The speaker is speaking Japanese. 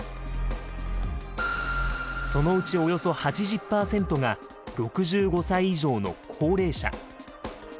そのうちおよそ８０％が６５歳以上の高齢者。